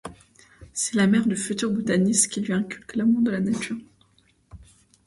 C'est la mère du futur botaniste qui lui inculque l'amour de la nature.